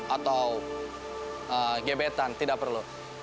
atau gebetan tidak perlu